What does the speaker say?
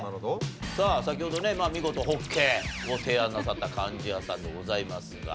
さあ先ほどね見事ホッケを提案なさった貫地谷さんでございますが。